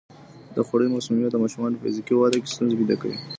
د خوړو مسمومیت د ماشومانو په فزیکي وده کې ستونزې پیدا کوي.